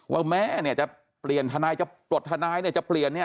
ว่าแม่จะเปลี่ยนธนายจะตรวจธนายจะเปลี่ยน